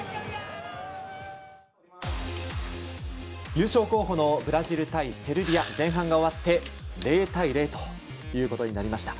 優勝候補のブラジル対セルビア前半が終わって０対０ということになりました。